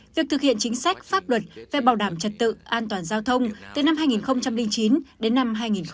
việc thực hiện chính sách pháp luật về bảo đảm trật tự an toàn giao thông từ năm hai nghìn chín đến năm hai nghìn một mươi